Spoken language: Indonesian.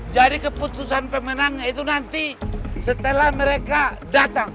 jadi keputusan pemenang itu nanti setelah mereka datang